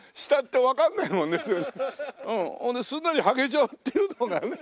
ほんですんなり履けちゃってるのがね。